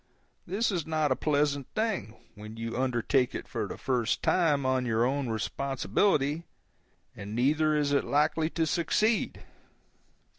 This is not a pleasant thing, when you undertake it for the first time on your own responsibility, and neither is it likely to succeed.